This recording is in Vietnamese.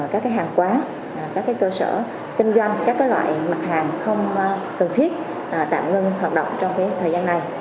các hàng quán các cơ sở kinh doanh các loại mặt hàng không cần thiết tạm ngưng hoạt động trong thời gian này